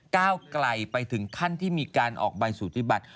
ก้าวไกลไปถึงขั้นที่มีการออกใบสุทธิบัติ